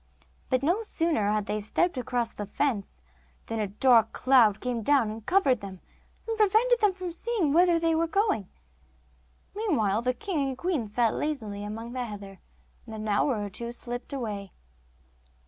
But no sooner had they stepped across the fence, than a dark cloud came down and covered them, and prevented them seeing whither they were going. Meanwhile the king and queen sat lazily among the heather, and an hour or two slipped away.